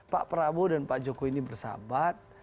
pak prabowo dan pak jokowi ini bersahabat